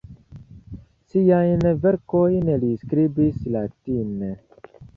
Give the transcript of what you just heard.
Siajn verkojn li skribis latine.